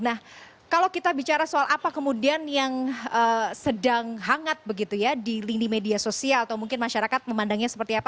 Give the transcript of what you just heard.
nah kalau kita bicara soal apa kemudian yang sedang hangat begitu ya di lini media sosial atau mungkin masyarakat memandangnya seperti apa